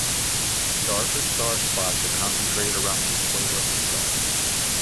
Darker starspots are concentrated around the equator of the star.